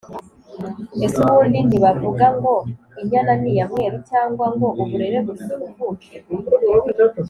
Ese ubundi ntibavuga ngo ‘inyana ni iya mweru cyangwa ngo ‘uburere buruta ubuvuke’!